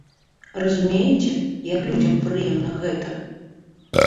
Разумееце, як людзям прыемна гэта?